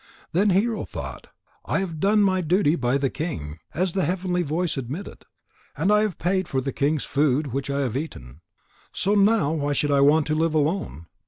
Then Hero thought: "I have done my duty by the king, as the heavenly voice admitted. And I have paid for the king's food which I have eaten. So now why should I want to live alone?